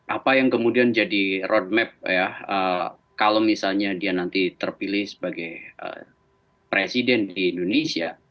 apa yang kemudian jadi roadmap ya kalau misalnya dia nanti terpilih sebagai presiden di indonesia